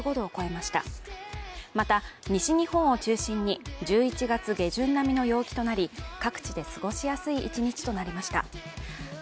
また西日本を中心に１１月下旬並みの陽気となり各地で過ごしやすい一日となりました。